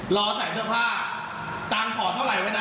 รอใส่เสื้อผ้าตังค์ขอเท่าไหร่ไว้นะ